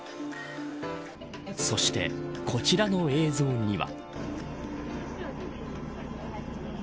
そして、こちらの映像には。